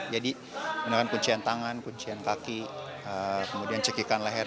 jadi menggunakan kuncian tangan kuncian kaki kemudian cekikan leher